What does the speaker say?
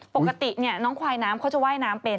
ปกติน้องควายน้ำเขาจะว่ายน้ำเป็น